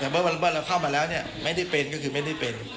แต่เมื่อเราเข้ามาแล้วไม่ได้เป็นก็คือไม่ได้เป็น